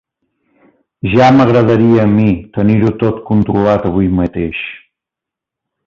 Ja m'agradaria a mi tenir-ho tot controlat avui mateix!